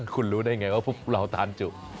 คุณรู้ได้ไงว่าพวกเราตานจุ